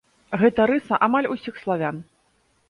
Гэта рыса амаль усіх славян.